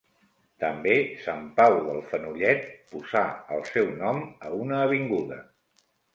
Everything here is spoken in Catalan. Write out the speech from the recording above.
També Sant Pau del Fenollet posà el seu nom a una avinguda.